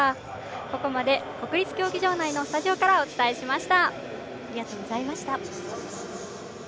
ここまで国立競技場内のスタジオからお伝えしました。